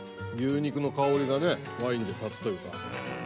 牛肉の香りがねワインで立つというか。